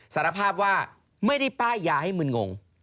สารภาพว่าไม่ได้ป้ายยาให้มึนงง